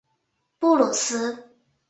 布鲁斯。